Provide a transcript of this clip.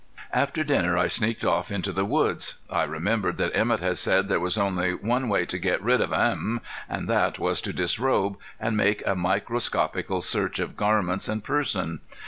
After dinner I sneaked off into the woods. I remembered that Emett had said there was only one way to get rid of "'em," and that was to disrobe and make a microscopical search of garments and person.